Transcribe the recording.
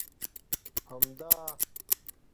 همدا!